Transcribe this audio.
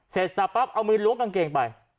เสร็จสับปั๊บเอามือล้วงกางเกงไป